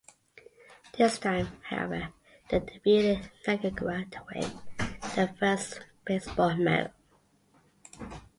This time, however, they defeated Nicaragua to win their first baseball medal.